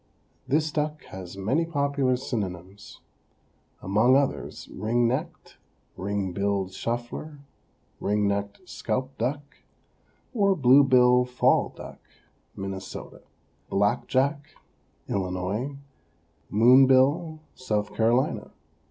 _) This duck has many popular synonyms, among others ring necked, ring billed shuffler, ring necked scaup duck, or blue bill fall duck (Minnesota), black jack (Illinois), moon bill (South Carolina).